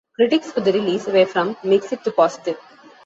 Critics for the release were from mixed to positive.